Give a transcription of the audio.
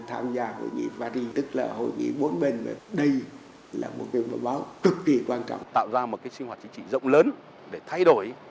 tạo ra một sinh hoạt chính trị rộng lớn để thay đổi